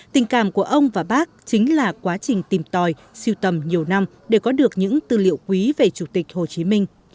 tình cảm của ông và bác chính là quá trình tìm tòi siêu tầm nhiều năm để có được những tư liệu quý về chủ tịch hồ chí minh